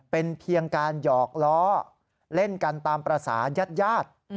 เป็นเพียงการหยอกล้อเล่นกันตามภาษาญาติ